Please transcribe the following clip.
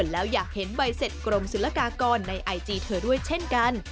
แล้วอยากเห็นใบเสร็จกรมศุลกากรในไอจีเธอด้วยเช่นกัน